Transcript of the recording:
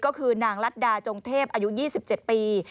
ก็คือนางรัฐดาจงเทพอายุ๒๗ปี